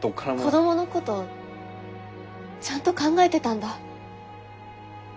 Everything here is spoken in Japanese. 子どものことちゃんと考えてたんだ。